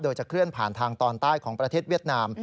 โดยจะเคลื่อนผ่านทางตอนใต้ของประเทศเวียดนาม